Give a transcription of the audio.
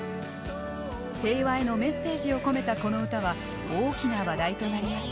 平和へのメッセージを込めたこの歌は大きな話題となりました。